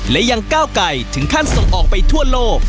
และยังก้าวไก่ถึงขั้นส่งออกไปทั่วโลก